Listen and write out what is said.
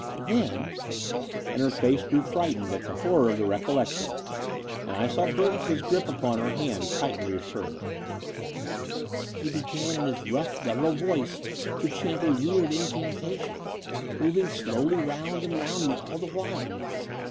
"Then" — and her face grew frightened at the horror of the recollection, and I saw Burgess's grip upon her hand tighten reassuringly — *'he began in his rough guttural voice to chant a weird incantation, moving slowly rotmd and round me all the while.